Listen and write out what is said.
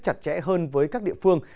chặt chẽ hơn với các địa phương